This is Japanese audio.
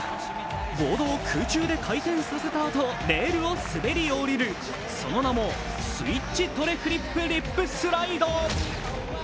ボードを空中で回転させたあと、レールを滑り降りる、その名もスイッチ・トレフリップ・リップスライド。